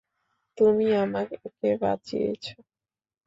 তুমি আমাকে বাঁচিয়েছ।